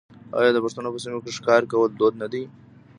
آیا د پښتنو په سیمو کې ښکار کول دود نه دی؟